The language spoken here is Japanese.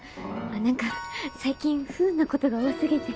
なんか最近不運なことが多すぎて。